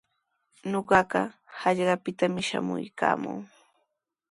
Ñuqaqa hallqapitami shamuykaamuu.